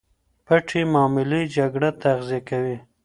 پټې معاملې جګړه تغذیه کوي.